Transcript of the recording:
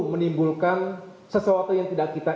menimbulkan sesuatu yang tidak kita